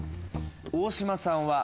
大島さんは。